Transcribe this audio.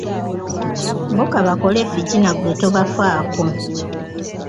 Bo ka bakole effitina ggwe tobafaako.